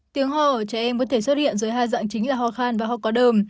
tiếng hò ở trẻ em có thể xuất hiện dưới hai dạng chính là hò khan và hò có đờm